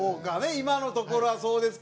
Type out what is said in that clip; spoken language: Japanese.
今のところはそうですかね。